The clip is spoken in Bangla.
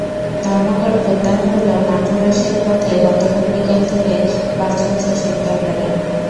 ধর্মঘট প্রত্যাহার হলেও নাটোর-রাজশাহী পথে গতকাল বিকেল থেকে বাস চলেছে সীমিত আকারে।